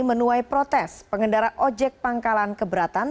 menuai protes pengendara ojek pangkalan keberatan